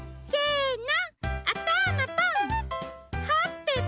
せの！